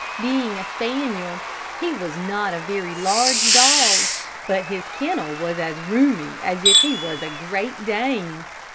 Being a spaniel, he was not a very large dog, but his kennel was as roomy as if he was a great Dane.